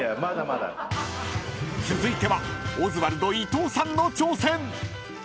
［続いてはオズワルド伊藤さんの挑戦］